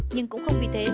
nhưng cũng không vì thế